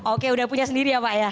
oke udah punya sendiri ya pak ya